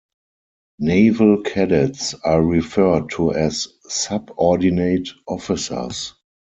Naval cadets are referred to as subordinate officers.